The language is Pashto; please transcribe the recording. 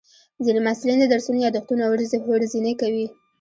ځینې محصلین د درسونو یادښتونه ورځني کوي.